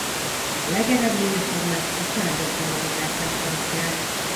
A legeredményesebbnek a családok támogatását tartják.